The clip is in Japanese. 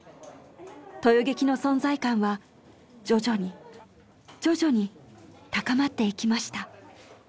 豊劇の存在感は徐々に徐々に高まっていきました。